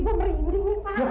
jangan jangan jangan